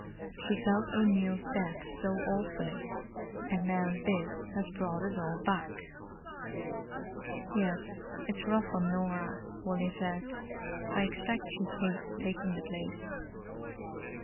She felt O'Neill's death so awfully, and now this has brought it all back." "Yes, it's rough on Norah," Wally said. "I expect she hates taking the place."